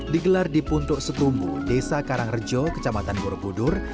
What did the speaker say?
digelar di puntuk setumbu desa karangrejo kecamatan borobudur